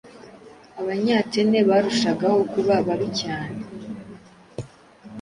Abanyatene barushagaho kuba babi cyane